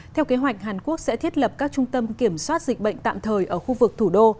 theo kế hoạch hàn quốc sẽ thiết lập các trung tâm kiểm soát dịch bệnh tạm thời ở khu vực thủ đô